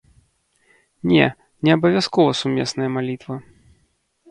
Не, не абавязковая сумесная малітва.